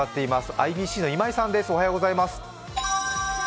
ＩＢＣの今井さんです。